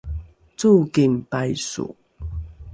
cooking paiso